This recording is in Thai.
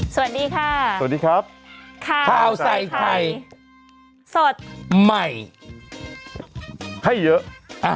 สวัสดีค่ะสวัสดีครับข้าวใส่ไข่สดใหม่ให้เยอะ